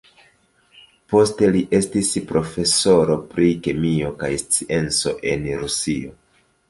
Poste li estis profesoro pri kemio kaj scienco en Rusio.